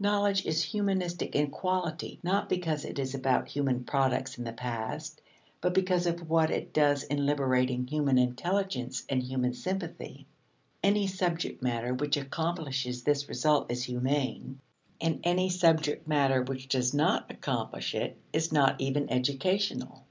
Knowledge is humanistic in quality not because it is about human products in the past, but because of what it does in liberating human intelligence and human sympathy. Any subject matter which accomplishes this result is humane, and any subject matter which does not accomplish it is not even educational.